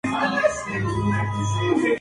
El federalismo rioplatense tuvo un origen confuso.